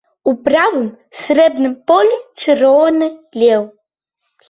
У правым, срэбным полі чырвоны леў.